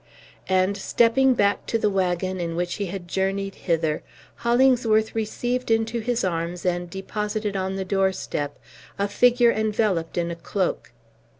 And, stepping back to the wagon in which he had journeyed hither, Hollingsworth received into his arms and deposited on the doorstep a figure enveloped in a cloak.